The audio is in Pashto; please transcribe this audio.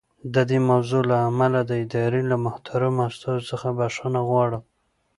د دې موضوع له امله د ادارې له محترمو استازو څخه بښنه غواړم.